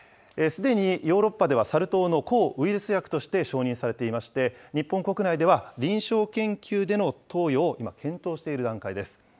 すでにヨーロッパではサル痘の抗ウイルス薬として承認されていまして、日本国内では臨床研究での投与を今、検討している段階です。